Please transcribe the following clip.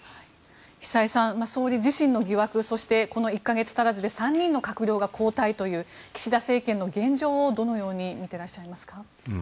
久江さん総理自身の問題でこの１か月足らずで３人の閣僚が交代という岸田政権の現状をどのように見ていらっしゃいますか？